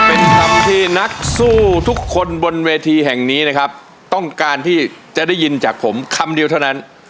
เป็นคำที่นักสู้ทุกคนบนเวทีแห่งนี้นะครับต้องการที่จะได้ยินจากผมคำเดียวเท่านั้น